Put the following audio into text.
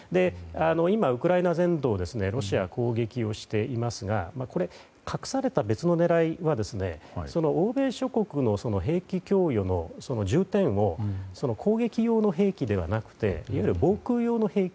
今、ウクライナ全土をロシアが攻撃していますがこれ、隠された別の狙いは欧米諸国の兵器供与の重点を攻撃用の兵器ではなくいわゆる防空用の兵器。